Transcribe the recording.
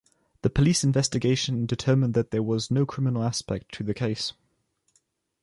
The police investigation determined that there was no criminal aspect to the case.